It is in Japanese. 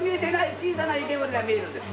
小さな湯けむりが見えるんです。